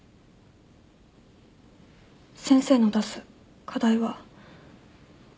先生の出す課題は。